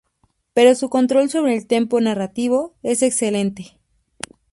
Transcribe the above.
Pero su control sobre el tempo narrativo es excelente.